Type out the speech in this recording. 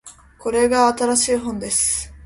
これが新しい本です